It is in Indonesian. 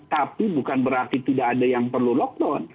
tapi bukan berarti tidak ada yang perlu lockdown